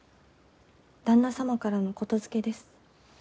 旦那様からの言づけです。